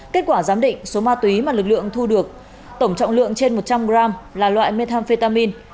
kết quả giám định số ma túy mà lực lượng thu được tổng trọng lượng trên một trăm linh gram là loại methamphetamin